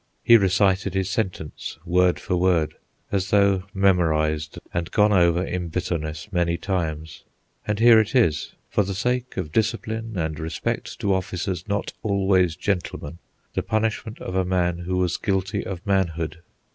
He recited his sentence, word for word, as though memorised and gone over in bitterness many times. And here it is, for the sake of discipline and respect to officers not always gentlemen, the punishment of a man who was guilty of manhood.